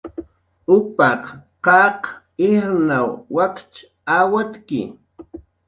Upaq qaq ijrnaw wakch awatki